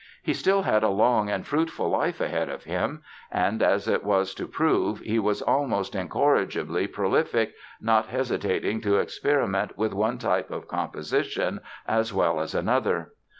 He still had a long and fruitful life ahead of him and, as it was to prove, he was almost incorrigibly prolific not hesitating to experiment with one type of composition as well as another.